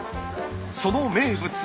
その名物は。